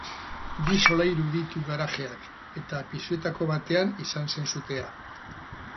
Bi solairu ditu garajeak, eta pisuetako batean izan zen sutea.